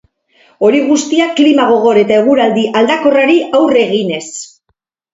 Hori guztia klima gogor eta eguraldi aldakorrari aurre eginez.